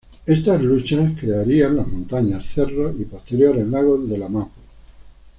Estas luchas crearían las montañas, cerros y posteriores lagos de la mapu.